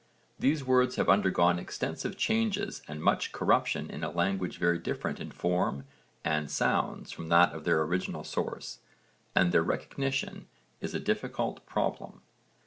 These words have undergone extensive changes and much corruption in a language very different in form and sounds from that of their original source, and their recognition is a difficult problem.